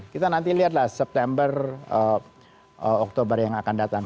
kita nanti lihat lah september oktober yang akan datang